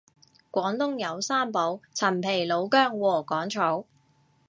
廣東有三寶陳皮老薑禾桿草